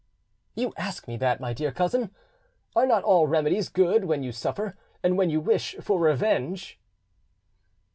"You ask me that, my dear cousin? Are not all remedies good when you suffer, and when you wish for revenge?"